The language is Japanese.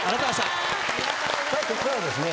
さあここからはですね